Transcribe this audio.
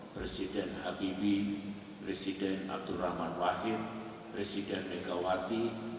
presiden habibie presiden abdurrahman wahid presiden megawati